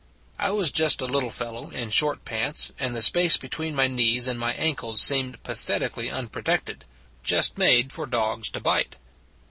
I was just a little fellow, in short pants, and the space between my knees and my ankles seemed pathetically unpro tected just made for dogs to bite.